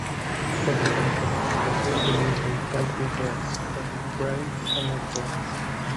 Cuenta con la participación del líder de Talking Heads, David Byrne, en las voces.